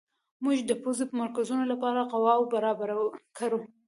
موږ د پوځي مرکزونو لپاره قواوې برابرې کړو.